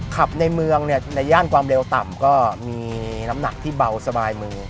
ในเมืองในย่านความเร็วต่ำก็มีน้ำหนักที่เบาสบายมือ